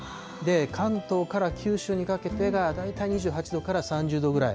関東から九州にかけてが代替２８度から３０度ぐらい。